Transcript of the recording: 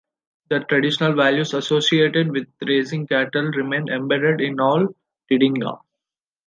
The traditional values associated with raising cattle remain embedded in all Didinga.